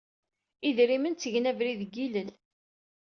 Idrimen ttgen abrid deg yilel.